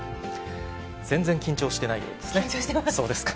全然緊張してないようですね。